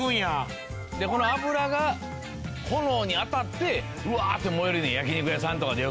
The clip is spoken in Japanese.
この脂が炎に当たってワーッて燃えるねん焼肉屋さんとかでよく。